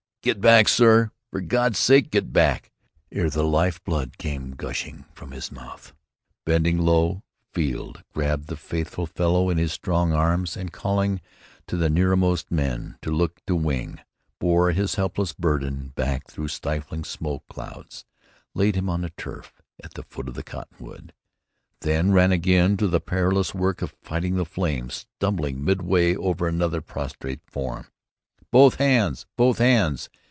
"Get back, sir; for God's sake, get back!" ere the life blood came gushing from his mouth. Bending low, Field grabbed the faithful fellow in his strong arms and, calling to the nearmost men to look to Wing, bore his helpless burden back through stifling smoke clouds; laid him on the turf at the foot of a cottonwood, then ran again to the perilous work of fighting the flame, stumbling midway over another prostrate form. "Both hands! Both hands!"